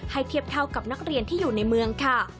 เทียบเท่ากับนักเรียนที่อยู่ในเมืองค่ะ